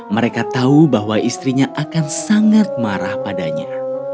mereka tahu bahwa istrinya akan sangat marah padanya